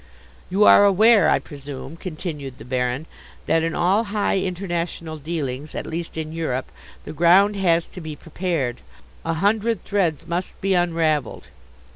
"You are aware, I presume," continued the Baron, "that in all high international dealings, at least in Europe, the ground has to be prepared. A hundred threads must be unravelled.